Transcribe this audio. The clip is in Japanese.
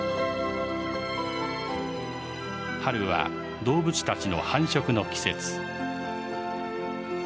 春は動物たちの繁殖の季節。